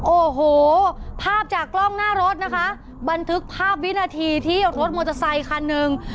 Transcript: โอ้โหภาพจากกล้องหน้ารถนะคะบันทึกภาพวินาทีที่รถมอเตอร์ไซคันหนึ่ง